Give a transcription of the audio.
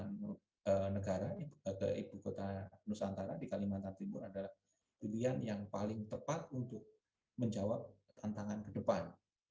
pemerintah negara ke ibu kota nusantara di kalimantan timur adalah pilihan yang paling tepat untuk menjawab tantangan ke depan